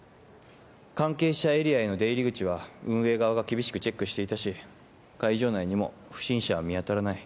関係者エリアへの出入り口は運営側が厳しくチェックしていたし会場内にも不審者は見当たらない。